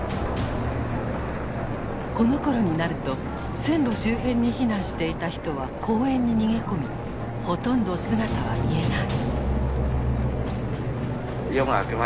このころになると線路周辺に避難していた人は公園に逃げ込みほとんど姿は見えない。